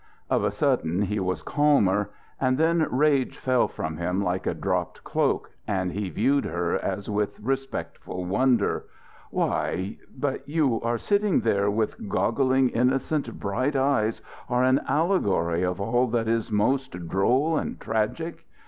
Of a sudden he was calmer: and then rage fell from him like a dropped cloak and he viewed her as with respectful wonder. "Why, but you sitting there, with goggling innocent bright eyes, are an allegory of all that is most droll and tragic.